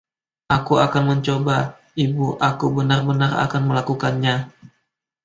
Aku akan mencoba, ibu; Aku benar-benar akan melakukannya.